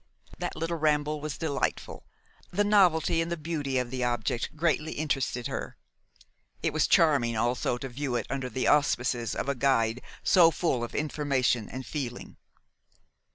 That little ramble was delightful. The novelty and the beauty of the object greatly interested her. It was charming also to view it under the auspices of a guide so full of information and feeling.